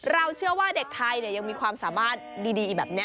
เชื่อว่าเด็กไทยยังมีความสามารถดีแบบนี้